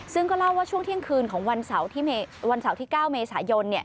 ซึ่งก็เล่าว่าช่วงเที่ยงคืนของวันเสาร์ที่๙เมษายน